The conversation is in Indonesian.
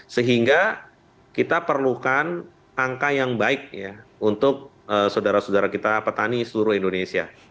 sehingga kita perlukan angka yang baik untuk saudara saudara kita petani seluruh indonesia